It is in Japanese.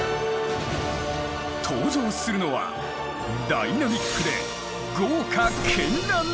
登場するのはダイナミックで豪華絢爛な城。